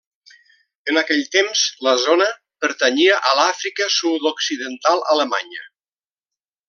En aquell temps la zona pertanyia a l'Àfrica Sud-occidental Alemanya.